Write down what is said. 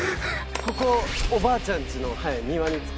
「ここおばあちゃんちの庭に作った」